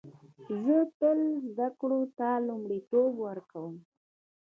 زه تل زده کړو ته لومړیتوب ورکوم